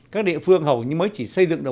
các địa phương hầu như mới chỉ xây dựng được